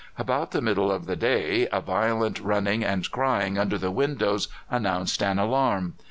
About the middle of the day a violent running and crying under the windows announced an alarm.